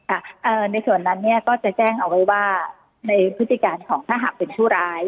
เอ่อในส่วนนั้นเนี้ยก็จะแจ้งเอาไว้ว่าในพฤติการของถ้าหากเป็นผู้ร้าย